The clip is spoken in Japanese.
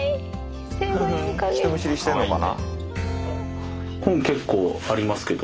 人見知りしてんのかな。